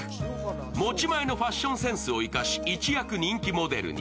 持ち前のファッションセンスを生かし一躍人気モデルに。